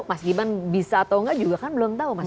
mas gibran bisa atau enggak juga kan belum tahu mas